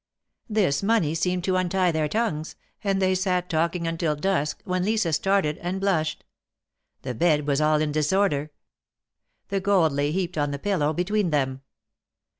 This money seemed to untie their tongues, and they sat talking until dusk, when Lisa started and blushed. The bed was all in disorder. The gold lay heaped on the pillow between them.